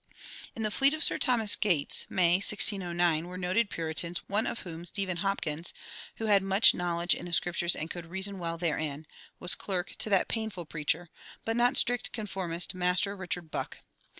In the fleet of Sir Thomas Gates, May, 1609, were noted Puritans, one of whom, Stephen Hopkins, "who had much knowledge in the Scriptures and could reason well therein," was clerk to that "painful preacher," but not strict conformist, Master Richard Buck.